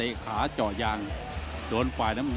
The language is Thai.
โอเคแสนทนง